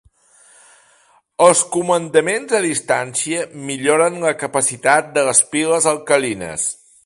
Els comandaments a distància milloren la capacitat de les piles alcalines.